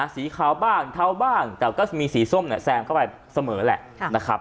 สีขาวบ้างเทาบ้างแต่ก็มีสีส้มแซงเข้าไปเสมอแหละนะครับ